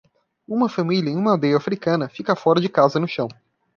Uma família em uma aldeia africana fica fora de casa no chão.